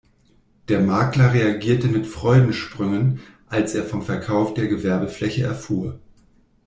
Der Makler reagierte mit Freudensprüngen, als er vom Verkauf der Gewerbefläche erfuhr.